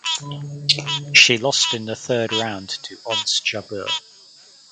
She lost in the third round to Ons Jabeur.